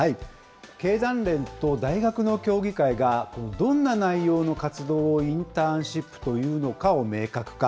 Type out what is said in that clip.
経団連と大学の協議会がどんな内容の活動をインターンシップというのかを明確化。